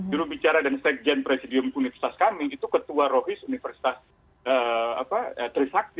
jurubicara dan sekjen presidium universitas kami itu ketua rohis universitas trisakti